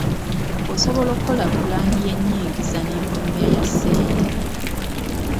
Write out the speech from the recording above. Osobola okukola pulaani y’ennyingiza n’enfulumya ya ssente.